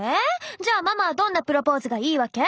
じゃあママはどんなプロポーズがいいわけ？